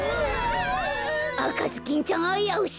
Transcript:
あかずきんちゃんあやうし。